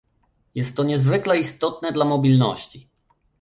Jest to niezwykle istotne dla mobilności